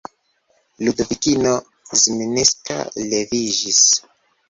Ludovikino Zminska leviĝis.